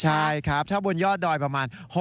ใช่ครับถ้าบนยอดดอยประมาณ